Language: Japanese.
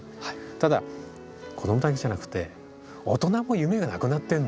ただ子供だけじゃなくて大人も夢がなくなってんの。